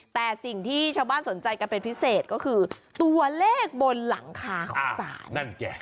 แต่สิ่งที่ชาวบ้านสนใจกันเป็นพิเศษก็คือตัวเลขบนหลังคาของศาลนั่นไง